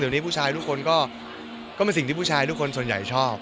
เดี๋ยวนี้ผู้ชายทุกคนก็เป็นสิ่งที่ผู้ชายทุกคนส่วนใหญ่ชอบ